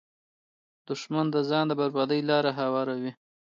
دښمن د ځان د بربادۍ لاره هواروي